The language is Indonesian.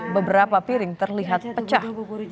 beberapa piring terlihat pecah